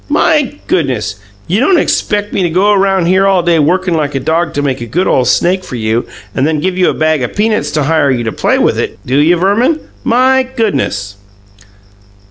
My goodness! You don't expeck me to go round here all day workin' like a dog to make a good ole snake for you and then give you a bag o' peanuts to hire you to play with it, do you, Verman? My goodness!"